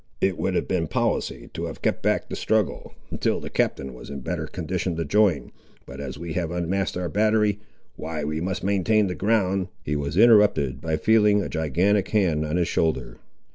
It would have been policy to have kept back the struggle, until the Captain was in better condition to join, but as we have unmasked our battery, why, we must maintain the ground—" He was interrupted by feeling a gigantic hand on his shoulder.